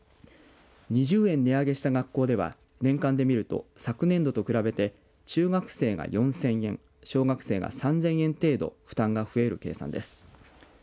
２０円値上げした学校では年間で見ると昨年度と比べて中学生が４０００円小学生が３０００円程度負担が増える計算です。